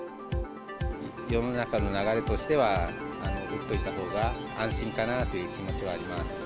世の中の流れとしては、打っといたほうが安心かなぁという気持ちはあります。